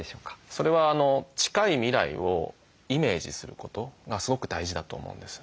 それは近い未来をイメージすることがすごく大事だと思うんです。